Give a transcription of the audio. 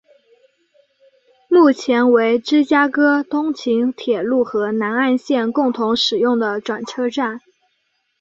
目前为芝加哥通勤铁路和南岸线共同使用的转车站。